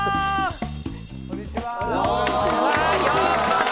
こんにちは。